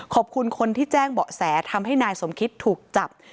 ขอบคุณคนที่แจ้งเบาะแสทำให้นายสมคิตถูกจับ